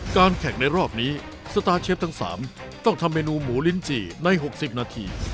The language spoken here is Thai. การแข่งในรอบนี้สตาร์ทเชฟทั้ง๓ต้องทำเมนูหมูลิ้นจี่ใน๖๐นาที